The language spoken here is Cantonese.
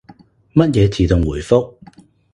乜嘢自動回覆？